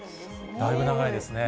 だいぶ長いですね。